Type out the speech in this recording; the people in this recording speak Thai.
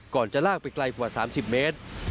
ก่อนจะลากไปไกลกว่า๓๐เมตร